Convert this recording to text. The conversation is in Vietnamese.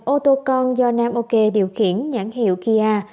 ô tô con do namokê điều khiển nhãn hiệu kia